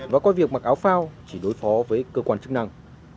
và coi việc mặc áo phao chỉ đối phó với cơ quan chức năng